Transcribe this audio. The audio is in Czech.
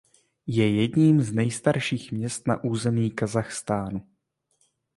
Je jedním z nejstarších měst na území Kazachstánu.